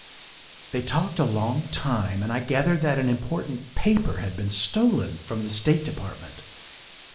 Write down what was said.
' They talked a long time, and I gathered that an important paper had been stolen from the State De partment.